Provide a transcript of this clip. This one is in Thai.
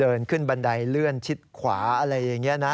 เดินขึ้นบันไดเลื่อนชิดขวาอะไรอย่างนี้นะ